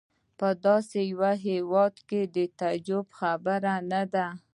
په داسې یو هېواد کې د تعجب خبره نه ده.